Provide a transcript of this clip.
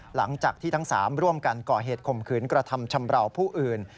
หลังจากที่ทั้ง๓ร่วมกันก่อเหตุข่มขืนกระทำชำราวผู้อื่น